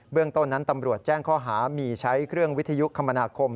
เรื่องต้นนั้นตำรวจแจ้งข้อหามีใช้เครื่องวิทยุคมนาคม